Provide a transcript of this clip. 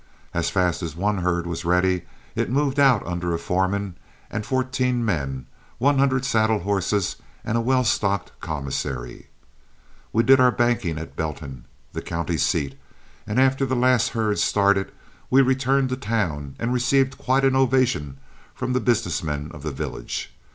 As fast as one herd was ready, it moved out under a foreman and fourteen men, one hundred saddle horses, and a well stocked commissary. We did our banking at Belton, the county seat, and after the last herd started we returned to town and received quite an ovation from the business men of the village.